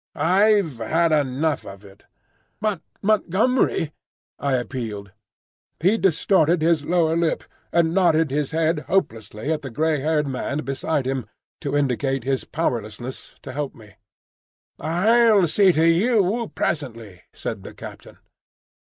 I've had enough of it." "But, Montgomery," I appealed. He distorted his lower lip, and nodded his head hopelessly at the grey haired man beside him, to indicate his powerlessness to help me. "I'll see to you, presently," said the captain.